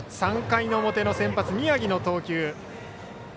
３回の表の先発宮城の投球。